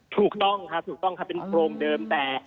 ถูกต้องครับถูกต้องครับเป็นโพรงเดิมแต่